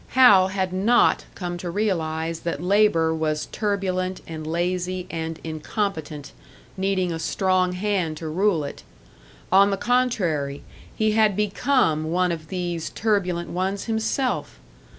Hal had not come to realise that labour was turbulent and lazy and incompetent, needing a strong hand to rule it; on the contrary, he had become one of these turbulent ones himself!